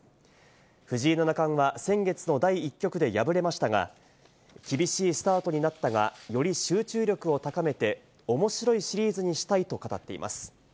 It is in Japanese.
藤井七冠は先月の第１局で敗れましたが、厳しいスタートになったが、より集中力を高めて面白いシリーズにしたいと語っています。